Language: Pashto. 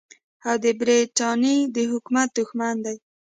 او د برټانیې د حکومت دښمن دی.